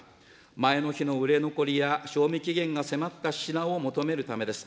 前の日の売れ残りや、賞味期限が迫った品を求めるためです。